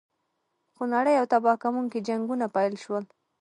خونړي او تباه کوونکي جنګونه پیل شول.